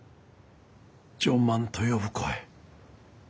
「ジョン万」と呼ぶ声。